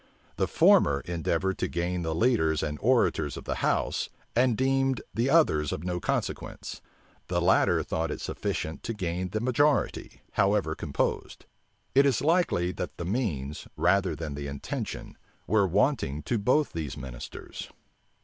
The former endeavored to gain the leaders and orators of the house, and deemed the others of no consequence. The latter thought it sufficient to gain the majority, however composed. It is likely, that the means, rather than the intention, were wanting to both these ministers.